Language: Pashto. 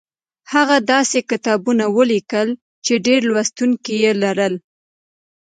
هغه داسې کتابونه ولیکل چې ډېر لوستونکي یې لرل